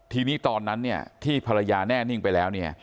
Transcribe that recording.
ทีนี้ตอนนั้นเนี่ยที่ภรรยาแน่นิ่งไปแล้วเนี่ย